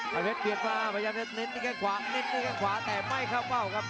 ปาเทศเดินมาปาเทศเน็ตด้วยแค่ขวาเน็ตด้วยแค่ขวาแต่ไม่เข้าเป้าครับ